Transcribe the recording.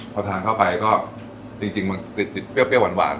พอทานเข้าไปก็จริงมันติดเปรี้ยวหวาน